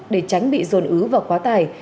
để tránh bị dồn ứ và quá tải